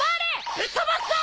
ぶっ飛ばすぞ！